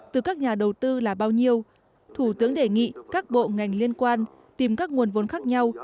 từ các nhà đầu tư là bao nhiêu thủ tướng đề nghị các bộ ngành liên quan tìm các nguồn vốn khác nhau